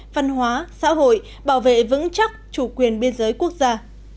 văn hóa xã hội bảo vệ vững chắc chủ quyền biên giới quốc gia